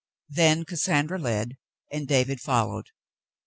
Then Cas sandra led and David followed.